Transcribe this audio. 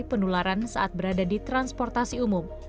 penularan saat berada di transportasi umum